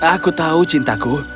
aku tahu cintaku